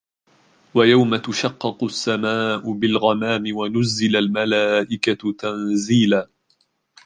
ويوم تشقق السماء بالغمام ونزل الملائكة تنزيلا